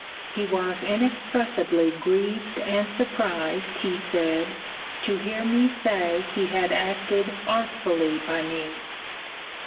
'He was inexpressibly grieved and surprised, he said, to hear me say he had acted artfully by me.